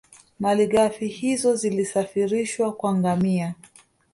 Malighafi hizo zilisafirishwa kwa ngamia